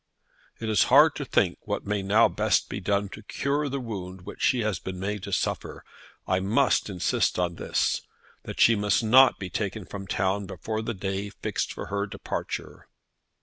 "It is hard to think what may now best be done to cure the wound which she has been made to suffer. I must insist on this, that she must not be taken from town before the day fixed for her departure."